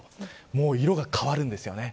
もう色が変わるんですね。